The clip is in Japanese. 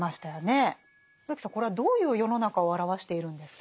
植木さんこれはどういう世の中を表しているんですか？